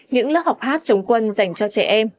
những lớp học hát chống quân dành cho trẻ em